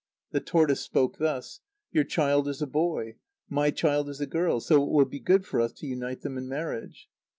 The tortoise spoke thus: "Your child is a boy. My child is a girl. So it will be good for us to unite them in marriage.